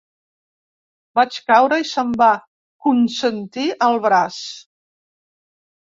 Vaig caure i se'm va consentir el braç.